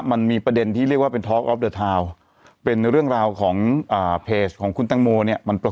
ใครทำ